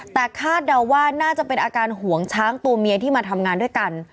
แต่คาดเดาว่าน่าจะเป็นอาการห่วงช้างตัวเมียที่มาทำงานด้วยกัน